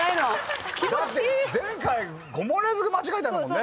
前回５問連続間違えたもんね。